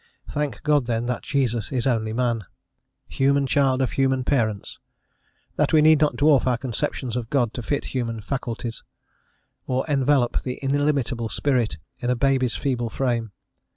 Thank God, then, that Jesus is only man, "human child of human parents;" that we need not dwarf our conceptions of God to fit human faculties, or envelope the illimitable spirit in a baby's feeble frame.